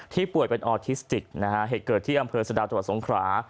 ป่วยเป็นออทิสติกนะฮะเหตุเกิดที่อำเภอสะดาวจังหวัดสงขรา